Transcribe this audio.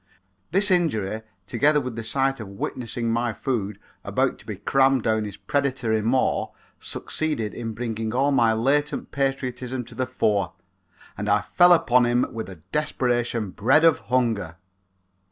This injury, together with the sight of witnessing my food about to be crammed down his predatory maw, succeeded in bringing all my latent patriotism to the fore and I fell upon him with a desperation bred of hunger.